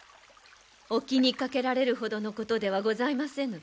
お気にかけられるほどのことではございませぬ。